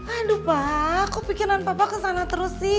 aduh pak kok pikiran papa kesana terus sih